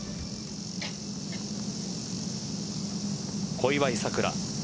小祝さくら